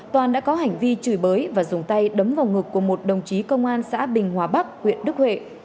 toàn đã có hành vi chửi bới và dùng tay đấm vào ngực của một đồng chí công an xã bình hòa bắc huyện đức huệ